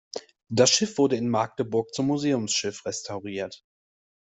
Das Schiff wurde in Magdeburg zum Museumsschiff restauriert.